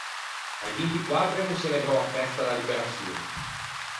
A-i vinti quattro emmo çelebrou a festa da liberaçion.